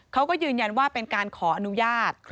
เขาก็ยืนยันว่าเป็นการขออนุญาต